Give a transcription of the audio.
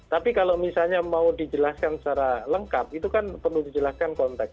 tapi kalau misalnya mau dijelaskan secara lengkap itu kan perlu dijelaskan konteks